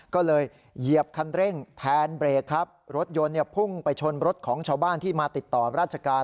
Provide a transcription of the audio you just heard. ก็เลยเหยียบคันเร่งแทนเบรกครับรถยนต์เนี่ยพุ่งไปชนรถของชาวบ้านที่มาติดต่อราชการ